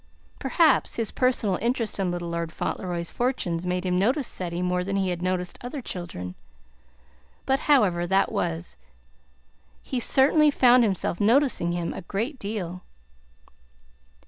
Perhaps his personal interest in little Lord Fauntleroy's fortunes made him notice Ceddie more than he had noticed other children; but, however that was, he certainly found himself noticing him a great deal.